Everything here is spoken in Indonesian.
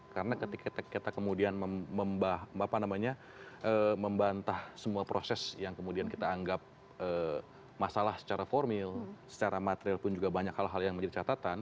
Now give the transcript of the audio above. karena ketika kita kemudian membantah semua proses yang kemudian kita anggap masalah secara formil secara material pun juga banyak hal hal yang menjadi catatan